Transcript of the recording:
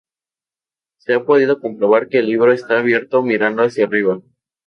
Se ha podido comprobar que el libro está abierto mirando hacia María.